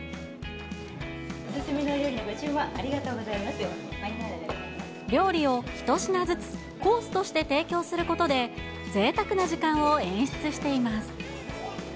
お勧めのお料理のご注文あり料理を１品ずつコースとして提供することで、ぜいたくな時間を演出しています。